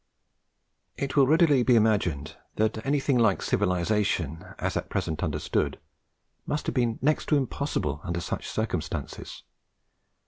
It will readily be imagined that anything like civilization, as at present understood, must have been next to impossible under such circumstances.